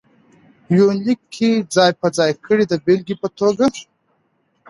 يونليک کې ځاى په ځاى کړي د بېلګې په توګه: